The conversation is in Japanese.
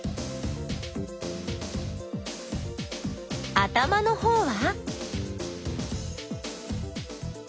頭のほうは？